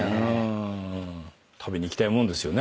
食べに行きたいもんですよね。